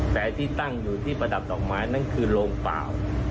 แต่ที่ตั้งอยู่ที่ประดับดอกไม้นั้นคือโรงเปล่า